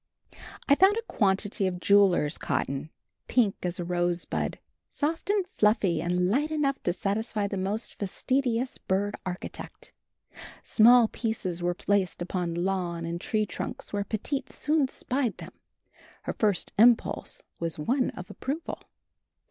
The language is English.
I found a quantity of jeweler's cotton, pink as a rosebud, soft and fluffy and light enough to satisfy the most fastidious bird architect. Small pieces were placed upon lawn and tree trunks, where Petite soon spied them; her first impulse was one of approval.